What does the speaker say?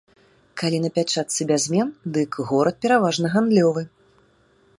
Калі на пячатцы бязмен, дык горад пераважна гандлёвы.